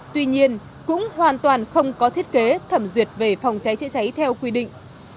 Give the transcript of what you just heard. tuy nhiên cũng hoàn toàn không có thiết kế thẩm duyệt về phòng cháy chữa cháy theo quy định